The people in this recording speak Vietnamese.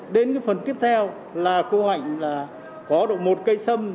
đến cái phần tiếp theo là cô hạnh là có được một cây sâm